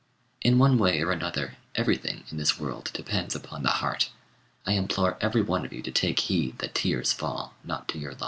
In one way or another, everything in this world depends upon the heart. I implore every one of you to take heed that tears fall not to your lot.